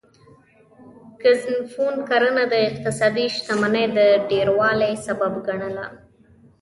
ګزنفون کرنه د اقتصادي شتمنۍ د ډیروالي سبب ګڼله